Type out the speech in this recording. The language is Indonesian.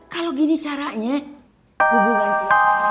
kalo gini caranya hubunganku